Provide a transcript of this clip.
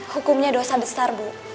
hukumnya dosa besar bu